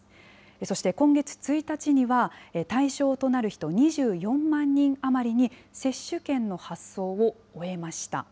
そして今月１日には、対象となる人２４万人余りに、接種券の発送を終えました。